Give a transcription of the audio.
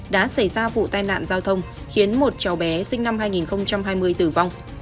đã xảy ra vụ tai nạn giao thông khiến một cháu bé sinh năm hai nghìn hai mươi tử vong